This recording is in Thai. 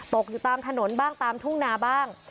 ตกอยู่ตามถนนบ้างตามทุ่งนาบ้าง